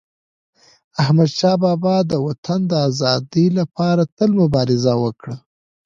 احمدشاه بابا د وطن د ازادی لپاره تل مبارزه وکړه.